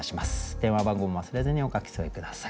電話番号も忘れずにお書き添え下さい。